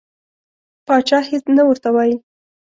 پاچا هیڅ نه ورته وایي.